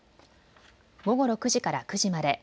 午後６時から９時まで。